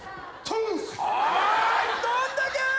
どんだけー。